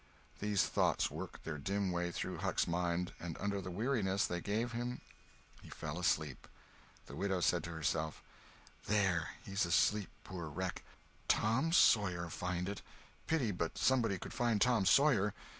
These thoughts worked their dim way through Huck's mind, and under the weariness they gave him he fell asleep. The widow said to herself: "There—he's asleep, poor wreck. Tom Sawyer find it! Pity but somebody could find Tom Sawyer!